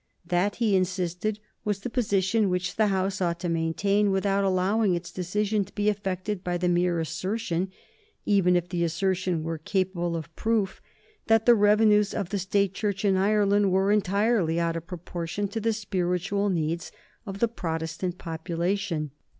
That, he insisted, was the position which the House ought to maintain without allowing its decision to be affected by the mere assertion, even if the assertion were capable of proof, that the revenues of the State Church in Ireland were entirely out of proportion to the spiritual needs of the Protestant population.